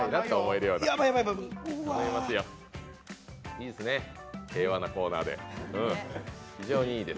いいですね、平和のコーナーで。